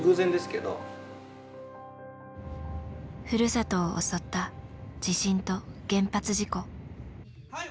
ふるさとを襲った地震と原発事故。